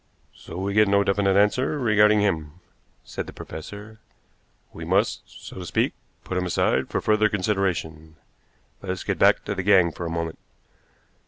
"So we get no definite answer regarding him," said the professor; "we must, so to speak, put him aside for further consideration. Let us get back to the gang for a moment.